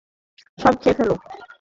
সব খেয়ে ফেলো।